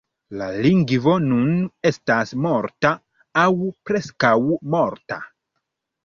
La lingvo nun estas morta aŭ preskaŭ morta.